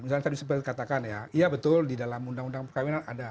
misalnya tadi sebelumnya dikatakan ya iya betul di dalam undang undang perkahwinan ada